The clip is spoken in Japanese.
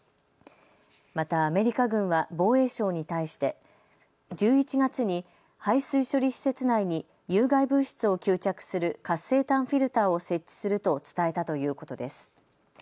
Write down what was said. またアメリカ軍は防衛省に対して１１月に排水処理施設内に有害物質を吸着する活性炭フィルターを設置すると伝えたということです。